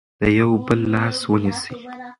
د یو بل لاس ونیسئ.